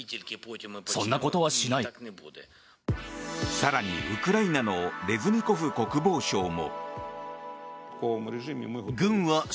更に、ウクライナのレズニコフ国防相も。